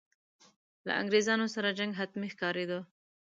له انګرېزانو سره جنګ حتمي ښکارېدی.